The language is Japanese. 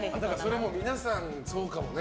それは皆さんそうかもね。